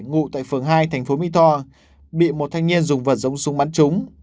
ngụ tại phường hai tp my tho bị một thanh niên dùng vật giống súng bắn trúng